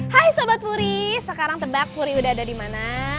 hai sobat puri sekarang tebak puri udah ada dimana